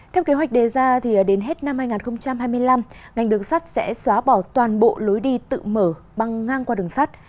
theo kế hoạch đề ra đến hết năm hai nghìn hai mươi năm ngành đường sắt sẽ xóa bỏ toàn bộ lối đi tự mở băng ngang qua đường sắt